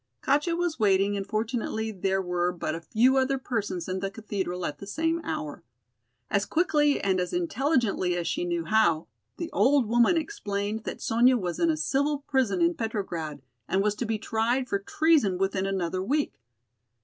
Katja was waiting and fortunately there were but a few other persons in the Cathedral at the same hour. As quickly and as intelligently as she knew how, the old woman explained that Sonya was in a civil prison in Petrograd and was to be tried for treason within another week.